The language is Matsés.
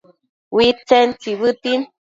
Uidtsen tsibëtin